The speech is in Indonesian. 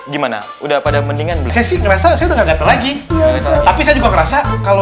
gimana udah pada mendingan sesi ngerasa saya lagi tapi saya juga ngerasa kalau